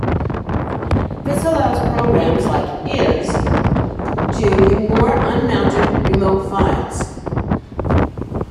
This allows programs like "ls" to ignore unmounted remote files.